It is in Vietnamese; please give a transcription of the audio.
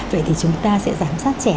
vậy thì chúng ta sẽ giám sát trẻ